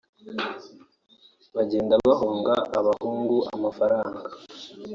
bagenda bahonga abahungu amafaranga